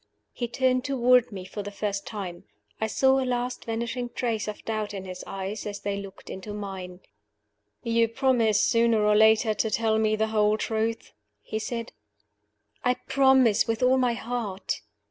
He turned toward me for the first time. I saw a last vanishing trace of doubt in his eyes as they looked into mine. "You promise, sooner or later, to tell me the whole truth?" he said "I promise with all my heart!"